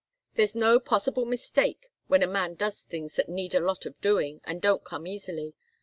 There's no possible mistake when a man does things that need a lot of doing, and don't come easily.